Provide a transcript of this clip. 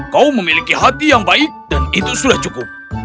kau memiliki hati yang baik dan itu sudah cukup